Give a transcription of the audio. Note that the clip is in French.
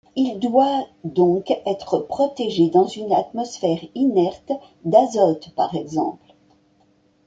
Il doit donc être protégé dans une atmosphère inerte d'azote par exemple.